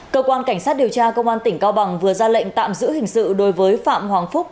cơ quan cảnh sát điều tra công an tỉnh cao bằng vừa ra lệnh tạm giữ hình sự đối với phạm hoàng phúc